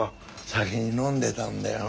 先に飲んでたんだよ。